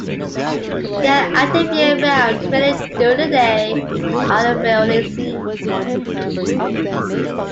They are active year-round, mainly during the day, but are rarely seen.